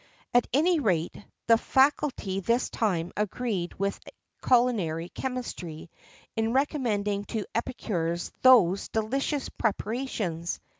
At any rate, the faculty this time agreed with culinary chemistry in recommending to epicures those delicious preparations.